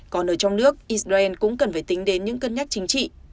còn ở trong nước israel cũng cần phải tính đến những cân nhắc chính trị